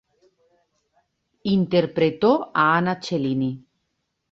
Interpretó a Anna Cellini.